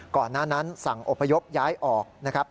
ก่อนหน้านั้นสั่งอพยพย้ายออกนะครับ